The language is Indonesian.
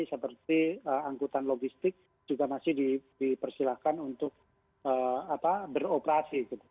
seperti angkutan logistik juga masih dipersilahkan untuk beroperasi